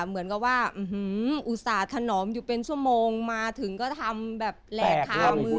เหมือนกับว่าอุตส่าหนอมอยู่เป็นชั่วโมงมาถึงก็ทำแบบแหลกคามือ